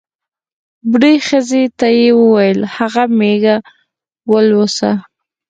بوډۍ ښځې ته یې ووېل هغه مېږه ولوسه.